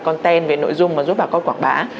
content về nội dung mà giúp vào code quảng bá